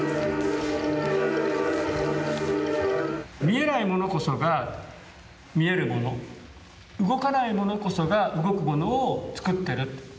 見えないものこそが見えるもの動かないものこそが動くものをつくってる。